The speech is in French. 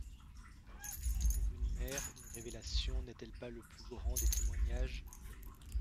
Pour une mère, une révélation n’est-elle pas le plus grand des témoignages ?